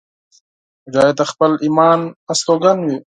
مجاهد د خپل ایمان استوګن وي.